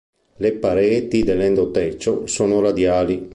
Le pareti dell'endotecio sono radiali.